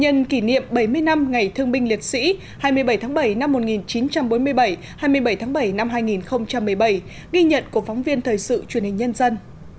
nhân kỷ niệm bảy mươi năm ngày thương binh liệt sĩ hai mươi bảy tháng bảy năm một nghìn chín trăm bốn mươi bảy hai mươi bảy tháng bảy năm hai nghìn một mươi bảy ghi nhận của phóng viên thời sự truyền hình nhân dân